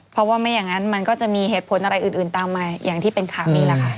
เพราะว่าไม่อย่างนั้นมันก็จะมีเหตุผลอะไรอื่นตามมาอย่างที่เป็นข่าวนี้แหละค่ะ